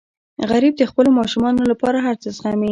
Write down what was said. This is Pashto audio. غریب د خپلو ماشومانو لپاره هر څه زغمي